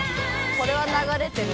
これは流れてる。